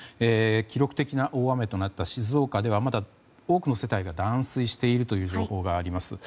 記録的な大雨となった静岡ではまだ、多くの世帯が断水しているという情報があります。